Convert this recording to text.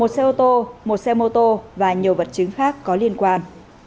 một xe ô tô một xe mô tô và nhiều vật chứng khác có liên quan